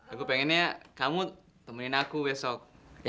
aku pengennya kamu temenin aku besok